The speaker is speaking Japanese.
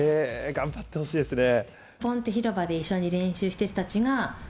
頑張ってほしいですね。